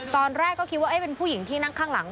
ตอนแรกก็คิดว่าเป็นผู้หญิงที่นั่งข้างหลัง